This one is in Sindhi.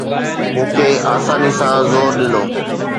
مون کي آساني سان زور ڏنو